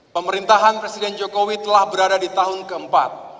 pemerintahan presiden jokowi telah berada di tahun keempat